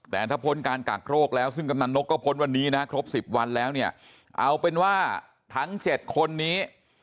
แต่ถ้าพ้นการกักโรคแล้วซึ่งกำนันนกก็พ้นวันนี้นะครบ๑๐วันแล้วเนี่ยเอาเป็นว่าทั้ง๗คนนี้